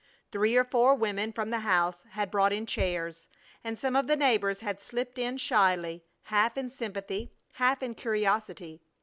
Three or four women from the house had brought in chairs, and some of the neighbors had slipped in shyly, half in sympathy, half in curiosity.